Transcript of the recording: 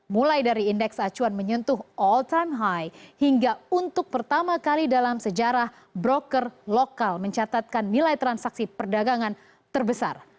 mulai dari indeks acuan menyentuh all time high hingga untuk pertama kali dalam sejarah broker lokal mencatatkan nilai transaksi perdagangan terbesar